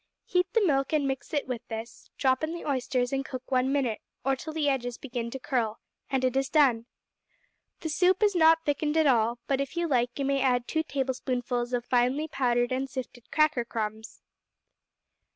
Heat the milk and mix it with this; drop in the oysters and cook one minute, or till the edges begin to curl, and it is done. This soup is not thickened at all; but if you like you may add two tablespoonfuls of finely powdered and sifted cracker crumbs.